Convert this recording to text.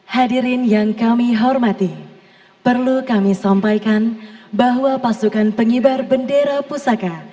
hadirin yang kami hormati perlu kami sampaikan bahwa pasukan pengibar bendera pusaka